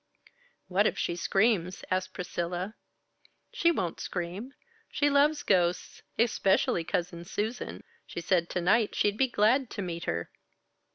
"What if she screams?" asked Priscilla. "She won't scream. She loves ghosts especially Cousin Susan. She said to night she'd be glad to meet her."